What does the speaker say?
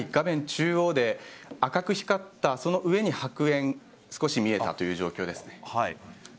中央で赤く光ったその上に白煙少し見えたという状況です。